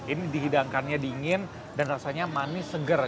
ini dihidangkannya dingin dan rasanya manis seger